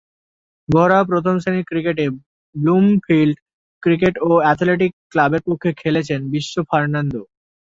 ঘরোয়া প্রথম-শ্রেণীর ক্রিকেটে ব্লুমফিল্ড ক্রিকেট ও অ্যাথলেটিক ক্লাবের পক্ষে খেলছেন বিশ্ব ফার্নান্দো।